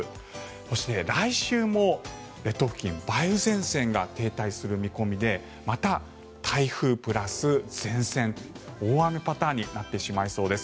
そして来週も列島付近に梅雨前線が停滞する見込みでまた台風プラス前線大雨パターンになってしまいそうです。